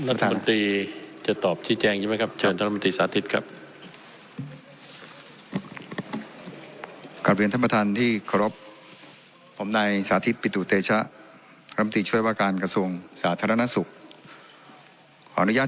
ขอบคุณคุณหนัทธรรมนติจะตอบชี้แจงใช่ไหมครับ